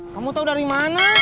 kamu tahu dari mana